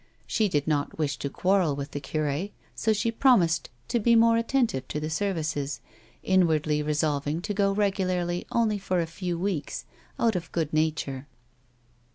She did not wish to quarrel with the cure, so she promised to be more attentive to the services, inwardly resolving to go regularly only for a few weeks, out of good nature.